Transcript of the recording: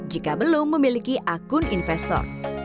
jika belum memiliki akun investor